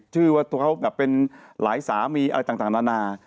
ชื่อว่าตัวเขาแบบเป็นหลายสามีอะไรต่างนานา